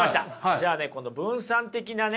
じゃあねこの分散的なね